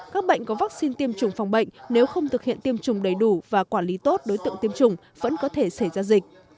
các bệnh có vaccine tiêm chủng phòng bệnh nếu không thực hiện tiêm chủng đầy đủ và quản lý tốt đối tượng tiêm chủng vẫn có thể xảy ra dịch